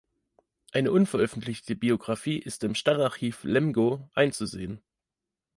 Eine unveröffentlichte Biographie ist im Stadtarchiv Lemgo einzusehen.